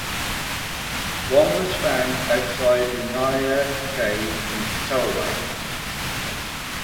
One was found outside the Niah Cave in Sarawak.